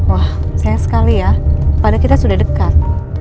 wah saya sekali ya pada kita sudah dekat